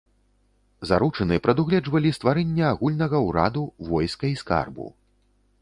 Заручыны прадугледжвалі стварэнне агульнага ўраду, войска і скарбу.